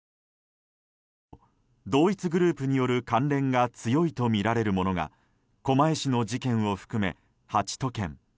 同一グループによる関連が強いとみられるものが狛江市の事件を含め８都県。